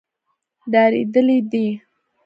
ډارېدلي دي.